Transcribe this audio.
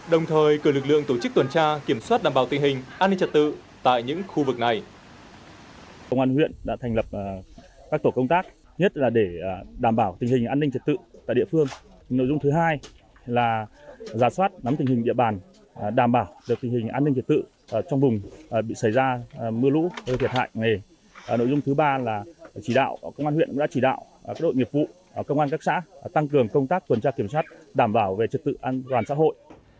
đồng thời cử lực lượng tổ chức tuần tra kiểm soát đảm bảo tình hình an ninh trật tự tại những khu vực này